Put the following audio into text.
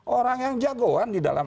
orang yang jagoan di dalam